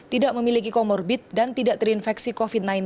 tidak memiliki komorbit dan tidak terinfeksi covid sembilan belas